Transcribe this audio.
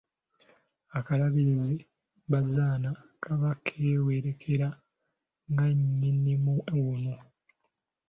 Akalabiriza bazaana kaba keewerekera nga nnyinimu ono.